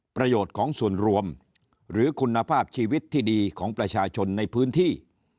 ประโยชน์ของส่วนรวมหรือคุณภาพชีวิตที่ดีของประชาชนในพื้นที่